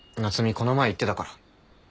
この前言ってたから。